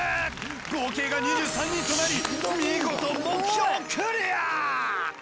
合計が２３人となり見事目標クリア！